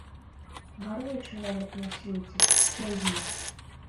Гаруе чалавек на свеце, чэзне.